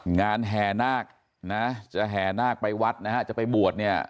งานแห่นากนะจะแห่นากไปวัดนะครับจะไปบวชเนี่ย